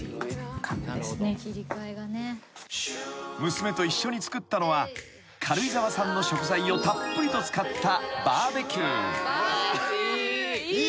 ［娘と一緒に作ったのは軽井沢産の食材をたっぷりと使った］